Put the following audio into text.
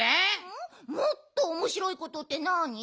もっとおもしろいことってなに？